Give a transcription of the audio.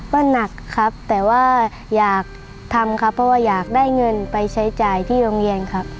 หนักครับแต่ว่าอยากทำครับเพราะว่าอยากได้เงินไปใช้จ่ายที่โรงเรียนครับ